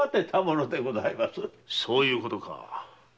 そういうことか。